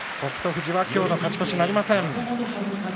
富士は今日の勝ち越しなりません。